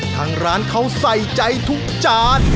ทางร้านเขาใส่ใจทุกจาน